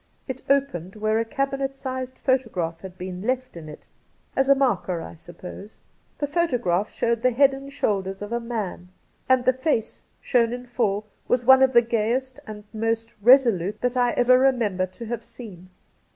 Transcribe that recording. It opened where a cabinet sized photograph had been left in it — as ^ marker I suppose. The photograph showed the head and shoulders of a man, and the face shown in fuU was one of the gayest and most resolute that I ever remember to have seen.